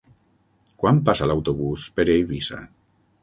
Quan passa l'autobús per Eivissa?